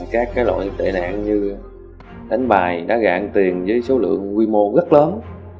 các cái loại tệ nạn như đánh bài đá gạn tiền với số lượng quy mô rất lớn